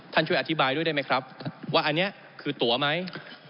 ช่วยอธิบายด้วยได้ไหมครับว่าอันนี้คือตัวไหม